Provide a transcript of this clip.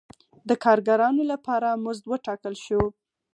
د کارګرانو لپاره مزد وټاکل شو.